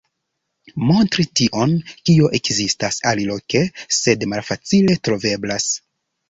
Montri tion kio ekzistas aliloke, sed malfacile troveblas.